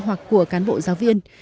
và các cán bộ giáo viên